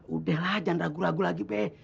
udah lah jangan ragu ragu lagi be